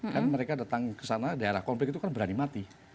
kan mereka datang ke sana daerah konflik itu kan berani mati